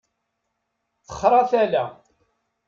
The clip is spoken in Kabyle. Texṛa tala.